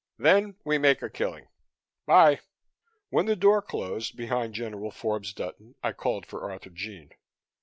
Then we make a killing. 'Bye!" When the door closed behind General Forbes Dutton I called for Arthurjean.